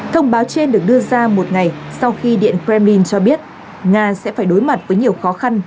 thông báo trên được đưa ra một ngày sau khi điện kremlin cho biết nga sẽ phải đối mặt với nhiều khó khăn